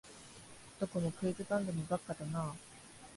どこもクイズ番組ばっかだなあ